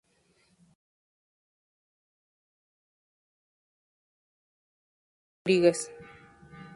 Esta vez bajo la presidencia del Comisionado Mayor Emilio Rodríguez.